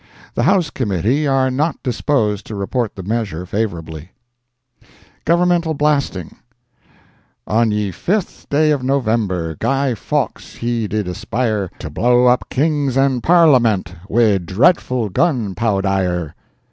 The House Committee are not disposed to report the measure favorably. Governmental Blasting. "On ye fifth day of November Guy Fawkes he did aspire To blow up Kings and Parlement Wi' dreadful gun powdire."